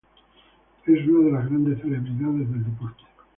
Es una de las grandes celebridades del deporte.